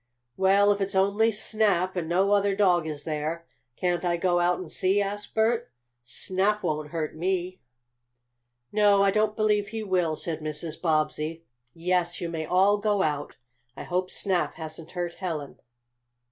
"Well, if it's only Snap, and no other dog is there, can't I go out and see?" asked Bert. "Snap won't hurt me." "No, I don't believe he will," said Mrs. Bobbsey. "Yes, you may all go out. I hope Snap hasn't hurt Helen."